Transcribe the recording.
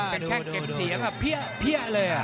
เป็นแข้งเก็บเสียงเพี้ยเลย